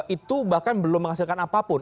itu bahkan belum menghasilkan apapun